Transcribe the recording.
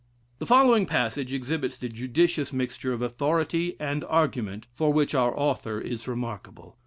'" The following passage exhibits the judicious mixture of authority and argument for which our author is remarkable.